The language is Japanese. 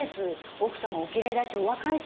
奥様おきれいだしお若いし。